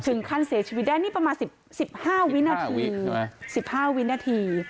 ถึงขั้นเสียชีวิตได้นี่ประมาณสิบสิบห้าวินาทีสิบห้าวินาที